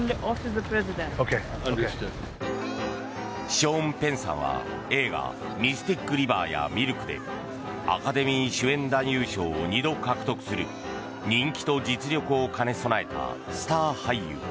ショーン・ペンさんは映画「ミスティック・リバー」や「ミルク」でアカデミー主演男優賞を２度獲得する人気と実力を兼ね備えたスター俳優。